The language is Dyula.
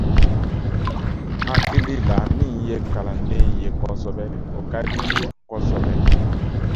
Hakilila min ye kalanden ye kosɛbɛ, o ka di n ye kosɛbɛ.